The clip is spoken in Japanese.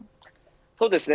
そうですね。